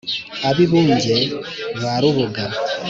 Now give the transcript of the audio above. ab’i bunge, ba rubuga,